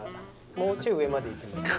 「もうちょい上までいけますか？